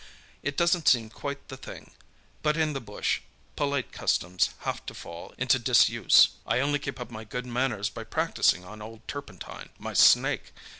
It doesn't seem quite the thing—but in the bush, polite customs have to fall into disuse. I only keep up my own good manners by practising on old Turpentine, my snake!